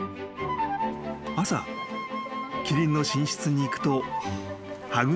［朝キリンの寝室に行くと］